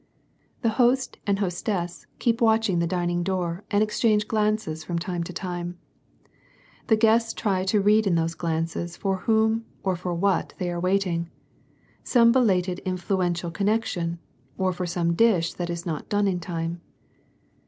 The host and hostess keep watching the dining door and exchange glances from time to time. The guests try to read in those glances for whom or for what they are waiting ; some belated influential connection, or for some dish that is not done in time.